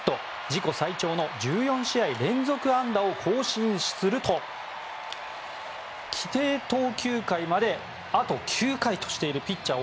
自己最長の１４試合連続安打を更新すると規定投球回まであと９回としているピッチャー